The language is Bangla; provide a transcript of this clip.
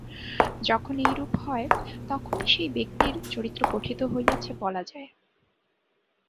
যখন এইরূপ হয়, তখনই সেই ব্যক্তির চরিত্র গঠিত হইয়াছে বলা যায়।